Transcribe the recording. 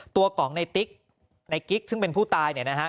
ตัวของในติ๊กในกิ๊กซึ่งเป็นผู้ตายเนี่ยนะฮะ